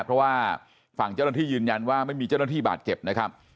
เพราะว่าฝั่งเจ้าหน้าที่ยืนยันว่าไม่มีเจ้าหน้าที่บาดเจ็บนะครับ